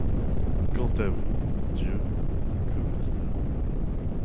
Quant à vous, Dieu, que vous dire?